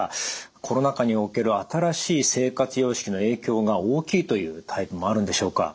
コロナ禍における新しい生活様式の影響が大きいというタイプもあるんでしょうか？